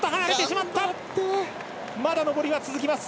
まだ上りは続きます！